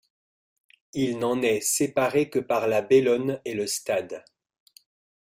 Il n'en est séparé que par la Bellonne et le stade.